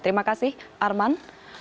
terima kasih arman